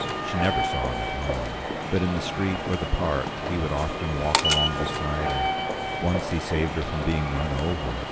She never saw him at home. But in the street or the park he would often walk along beside her. Once he saved her from being run over.